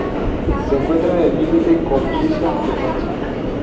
Se encuentra en el límite con Suiza y Francia.